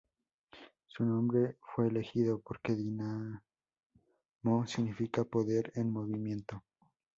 Su nombre fue elegido porque Dinamo significa "poder en movimiento".